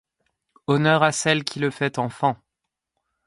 Honneur à celle qui le fait enfant!